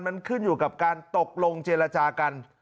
มันขึ้นอยู่กับการตกลงเจรจากัน